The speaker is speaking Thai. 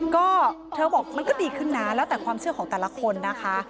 ก็เธอบอกมันก็ดีขึ้นนะแล้วแต่ความเชื่อของแต่ละคนนะคะ